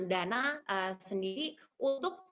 dana sendiri untuk